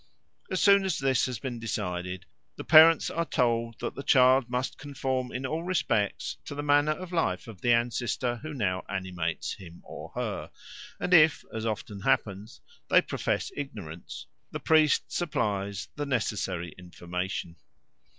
As soon as this has been decided, the parents are told that the child must conform in all respects to the manner of life of the ancestor who now animates him or her, and if, as often happens, they profess ignorance, the priest supplies the necessary information.